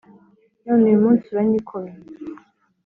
None uyu munsi uranyikomye